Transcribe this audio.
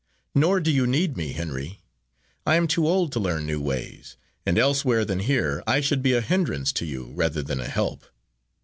Nor do you need me, Henry I am too old to learn new ways, and elsewhere than here I should be a hindrance to you rather than a help.